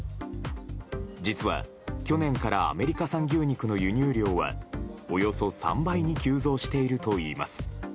実は、去年からアメリカ産牛肉の輸入量はおよそ３倍に急増しているといいます。